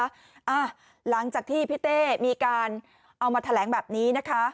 อ่าหลังจากที่พี่เต้มีการเอามาแถลงแบบนี้นะคะ